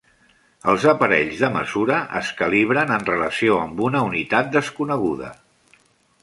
Els aparells de mesura es calibren en relació amb una unitat desconeguda.